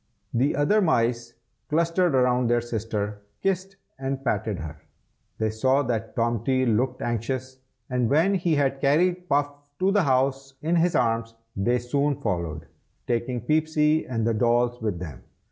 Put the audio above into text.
The other mice clustered round their sister, and kissed and patted her. They saw that Tomty looked anxious, and when he had carried Puff up to the house in his arms, they soon followed, taking Peepsy and the dolls with them.